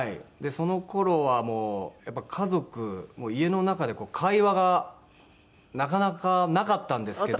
その頃はもうやっぱり家族もう家の中で会話がなかなかなかったんですけど。